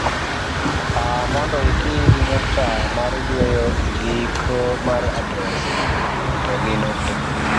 pa mondo iti gi nyukta mar yueyo e giko mar adres, to gi nukta